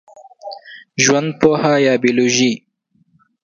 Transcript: ژوندپوهه یا بېولوژي